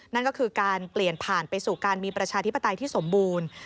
นั่นก็คือการเปลี่ยนผ่านไปสู่การมีประชาธิปไตยที่สมบูรณ์